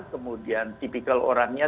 kemudian tipikal orangnya